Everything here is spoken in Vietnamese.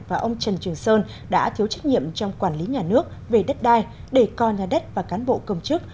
và ông trần trường sơn đã thiếu trách nhiệm trong quản lý nhà nước về đất đai để co nhà đất và cán bộ công chức